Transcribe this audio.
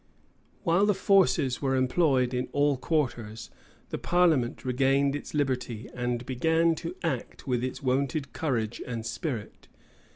While the forces were employed in all quarters, the parliament regained its liberty, and began to act with its wonted courage and spirit.